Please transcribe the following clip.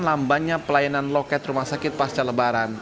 lambannya pelayanan loket rumah sakit pasca lebaran